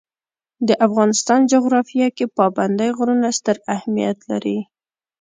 د افغانستان جغرافیه کې پابندی غرونه ستر اهمیت لري.